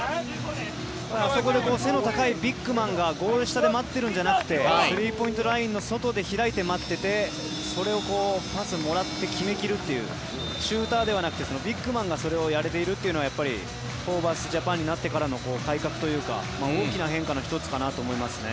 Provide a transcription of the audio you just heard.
あそこで背の高いビッグマンがゴール下で待ってるんじゃなくてスリーポイントラインの外で開いて待っていてそれをパスもらって決め切るというシューターではなくてビッグマンがそれをやれているのはやっぱりホーバスジャパンになってからの改革というか大きな変化の１つかなと思いますね。